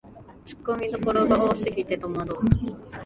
ツッコミどころ多すぎてとまどう